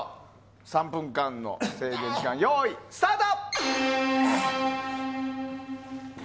３分間の制限時間スタート！